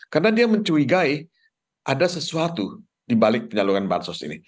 karena dia mencurigai ada sesuatu di balik penyaluran bansos ini